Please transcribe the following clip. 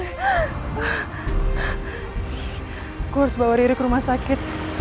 aku harus bawa diri ke rumah sakit